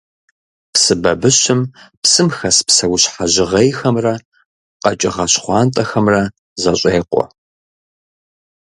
Псы бабыщым псым хэс псэущхьэ жьгъейхэмрэ къэкӏыгъэ щхъуантӏэхэмрэ зэщӏекъуэ.